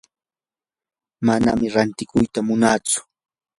manam rantikuyta munatsu.